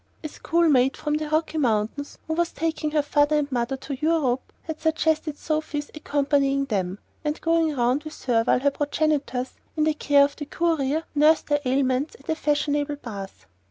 A schoolmate from the Rocky Mountains, who was taking her father and mother to Europe, had suggested Sophy's accompanying them, and "going round" with her while her progenitors, in the care of the courier, nursed their ailments at a fashionable bath.